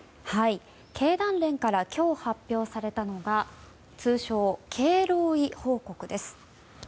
経団連から今日発表されたのが通称、経労委報告です。